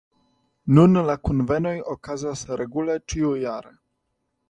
Nun la kunvenoj okazas regule ĉiujare.